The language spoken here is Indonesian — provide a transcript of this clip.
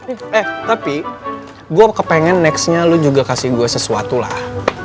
eh tapi gue kepengen nextnya lu juga kasih gue sesuatu lah